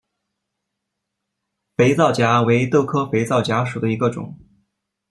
肥皂荚为豆科肥皂荚属下的一个种。